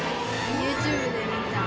ユーチューブで見た。